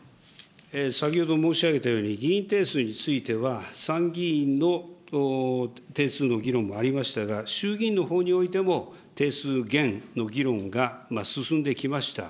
先ほど申し上げたように、議員定数については、参議院の定数の議論もありましたが、衆議院のほうにおいても定数減の議論が進んできました。